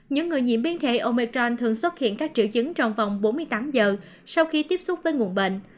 những người nhiễm biến thể omecran thường xuất hiện các triệu chứng trong vòng bốn mươi tám giờ sau khi tiếp xúc với nguồn bệnh